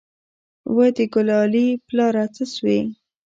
وه د ګلالي پلاره څه سوې.